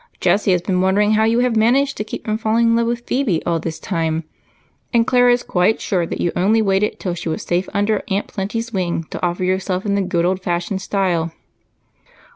Jessie has been wondering how you have managed to keep from falling in love with Phebe all this time, and Clara is quite sure that you waited only till she was safe under Aunt Plenty's wing to offer yourself in the good old fashioned style."